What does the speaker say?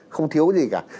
không thiếu gì cả